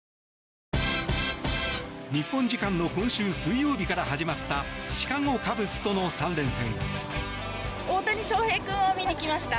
日本時間今週水曜日から始まったシカゴ・カブスとの３連戦。